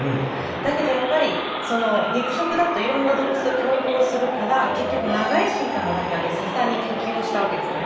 だけどやっぱり肉食だといろんな動物と競合するから結局長い進化の中で笹に適応したわけですよね。